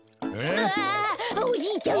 うわおじいちゃん